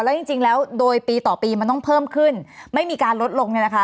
และจริงแล้วโดยปีต่อปีมันต้องเพิ่มขึ้นไม่มีการลดลง